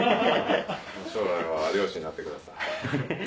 将来は猟師になってください。